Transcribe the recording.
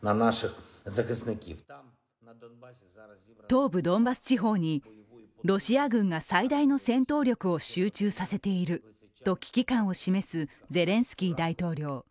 東部ドンバス地方にロシア軍が最大の戦闘力を集中させていると危機感を示すゼレンスキー大統領。